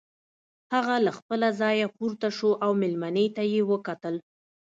هغه له خپله ځايه پورته شو او مېلمنې ته يې وکتل.